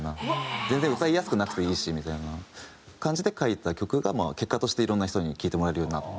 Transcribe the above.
全然歌いやすくなくていいしみたいな感じで書いた曲がまあ結果としていろんな人に聴いてもらえるようになって。